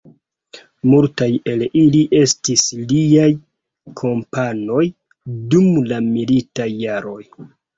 Multaj el ili estis liaj kompanoj dum la militaj jaroj.